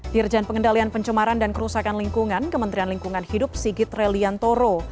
dirjen pengendalian pencemaran dan kerusakan lingkungan kementerian lingkungan hidup sigit reliantoro